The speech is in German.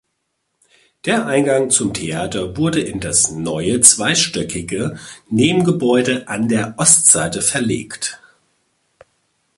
Der Eingang zum Theater wurde in das neue zweistöckige Nebengebäude an der Ostseite verlegt.